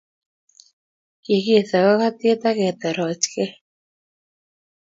Kikiesho kakatiet ak ketorochkei